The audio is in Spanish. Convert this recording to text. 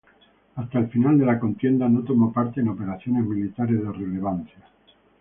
Hasta el final de la contienda no tomó parte en operaciones militares de relevancia.